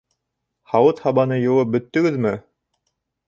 Һауыт-һабаны йыуып бөттөгөҙмө?